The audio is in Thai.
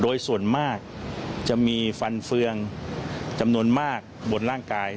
โดยส่วนมากจะมีฟันเฟืองจำนวนมากบนร่างกาย